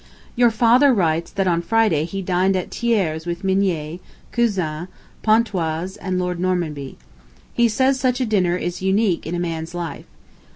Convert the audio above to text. ... Your father writes that on Friday he dined at Thiers' with Mignet, Cousin, Pontois, and Lord Normanby. He says such a dinner is "unique in a man's life."